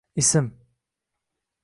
lsm